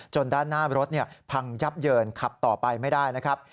ด้านหน้ารถพังยับเยินขับต่อไปไม่ได้นะครับ